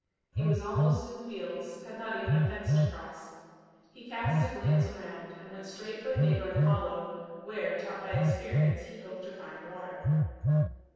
He was almost in the fields, had not even a fence to cross. He cast a glance around, and went straight for a neighbouring hollow, where, taught by experience, he hoped to find water.